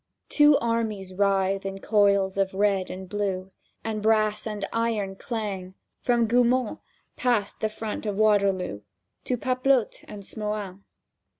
—Two armies writhe in coils of red and blue, And brass and iron clang From Goumont, past the front of Waterloo, To Pap'lotte and Smohain.